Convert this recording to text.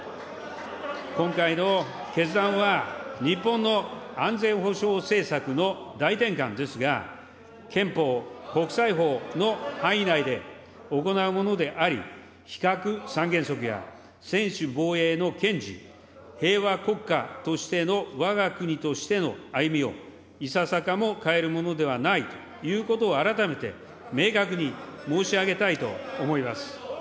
今回の決断は、日本の安全保障政策の大転換ですが、憲法、国際法の範囲内で行うものであり、非核三原則や専守防衛の堅持、平和国家としてのわが国としての歩みをいささかも変えるものではないということを、改めて明確に申し上げたいと思います。